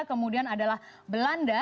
kemudian adalah belanda